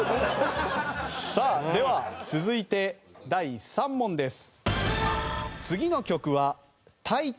さあでは続いて第３問です。